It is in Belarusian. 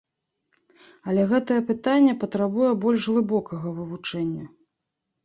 Але гэтае пытанне патрабуе больш глыбокага вывучэння.